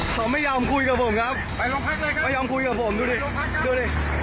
เขาไม่ยอมคุยกับผมครับไม่ยอมคุยกับผมดูดิดูดิ